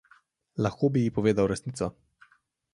Lahko bi ji povedal resnico.